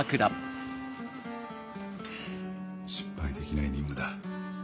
失敗できない任務だ。